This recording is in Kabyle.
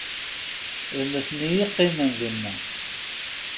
D nitni i yeqqimen dinna.